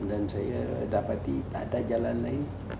dan saya mendapati tak ada jalan lagi